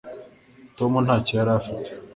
tom ntacyo yari afite